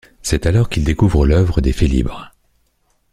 C'est alors qu'il découvre l'œuvre des Félibres.